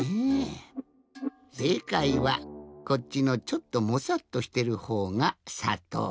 せいかいはこっちのちょっともさっとしてるほうがさとう。